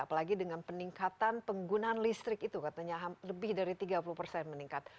apalagi dengan peningkatan penggunaan listrik itu katanya lebih dari tiga puluh persen meningkat